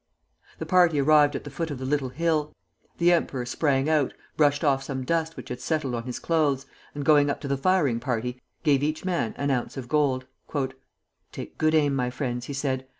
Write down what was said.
The party arrived at the foot of the little hill. The emperor sprang out, brushed off some dust which had settled on his clothes, and going up to the firing party, gave each man an ounce of gold. "Take good aim, my friends," he said.